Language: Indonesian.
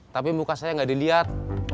tapi muka saya nggak dilihat